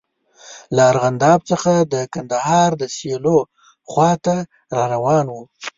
له ارغنداب څخه د کندهار د سیلو خواته را روان وو.